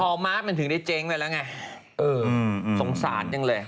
พอมาร์ทมันถึงได้เจ๊งไว้แล้วไงสงสัยจริงเลย